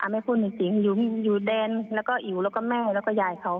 ไม่พูดจริงอยู่แดนแล้วก็แม่แล้วก็ยายเขา